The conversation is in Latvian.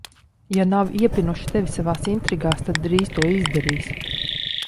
Ja nav iepinuši tevi savās intrigās, tad drīz to izdarīs.